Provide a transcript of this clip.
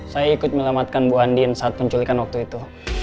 saya ikut melamatkan bu andin saat penculikan waktu itu